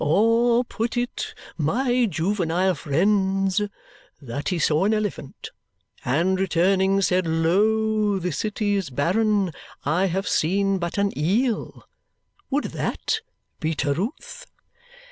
"Or put it, my juvenile friends, that he saw an elephant, and returning said 'Lo, the city is barren, I have seen but an eel,' would THAT be Terewth?"